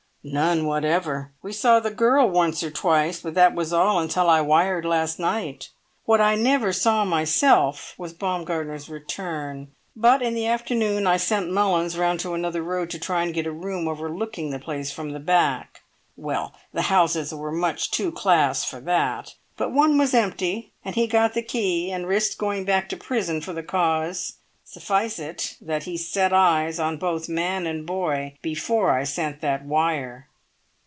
"None whatever; we saw the girl once or twice, but that was all until I wired last night. What I never saw myself was Baumgartner's return; but in the afternoon I sent Mullins round to another road to try and get a room overlooking the place from the back. Well, the houses were too much class for that; but one was empty, and he got the key and risked going back to prison for the cause! Suffice it that he set eyes on both man and boy before I sent that wire."